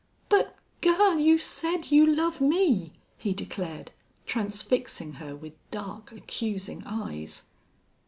"But, girl, you said you love me," he declared, transfixing her with dark, accusing eyes.